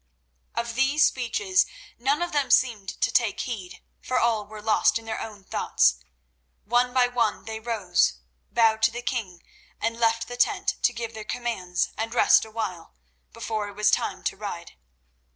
Of these speeches none of them seemed to take heed, for all were lost in their own thoughts. One by one they rose, bowed to the king, and left the tent to give their commands and rest awhile, before it was time to ride.